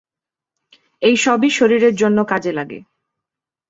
এ সবই শরীরের জন্য কাজে লাগে।